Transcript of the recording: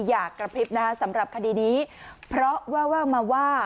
อย่ากระพริบนะฮะสำหรับคดีนี้เพราะว่าว่ามาว่า